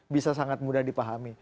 bisa sangat mudah dipahami